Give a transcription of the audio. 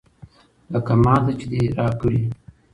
لکه ماته چې دې راکړي.